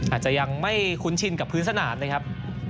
อาจจะยังไม่คุ้นชินกับพื้นสนามนะครับ